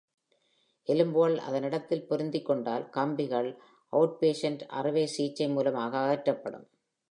எலும்புகள் அதன் இடத்தில் பொருந்திக்கொண்டால், கம்பிகள், outpatient அறுவை சிகிச்சை மூலமாக அகற்றப்படும்.